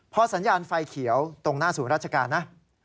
พอสัญญาณไฟเขียวตรงหน้าศูนย์ราชการนะ